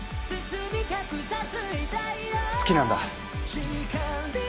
好きなんだ。